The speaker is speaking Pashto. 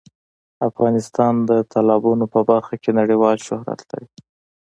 افغانستان د تالابونه په برخه کې نړیوال شهرت لري.